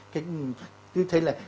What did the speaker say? cứ thấy là